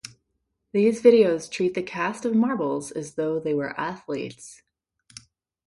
These videos treat the cast of marbles as though they were athletes.